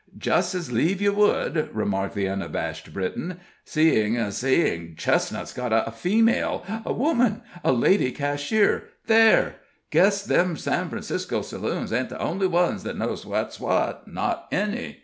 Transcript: "Just as lieve you would," said the unabashed Briton, "seein' seein' Chestnut's got a female a woman a lady cashier there! Guess them San Francisco saloons ain't the only ones that knows what's what not any!"